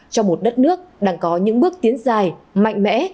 cho một đất nước đang có những bước tiến dài mạnh mẽ